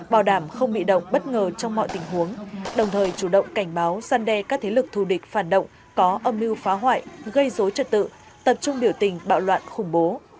bảo đảm không bị động bất ngờ trong mọi tình huống đồng thời chủ động cảnh báo săn đe các thế lực thù địch phản động có âm mưu phá hoại gây dối trật tự tập trung biểu tình bạo loạn khủng bố